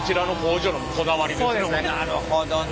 なるほどね。